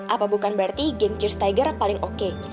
apa bukan berarti geng cheers tiger paling oke